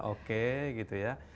oke gitu ya